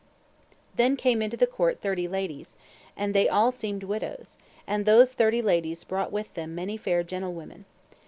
Then came into the court thirty ladies, and all they seemed widows, and those thirty ladies brought with them many fair gentlewomen.